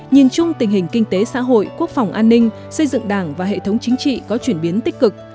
nhìn chung tình hình kinh tế xã hội quốc phòng an ninh xây dựng đảng và hệ thống chính trị có chuyển biến tích cực